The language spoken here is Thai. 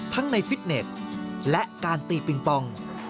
ทั้งในฟิตเนสและการตีปิงปอง